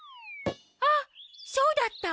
あっそうだった！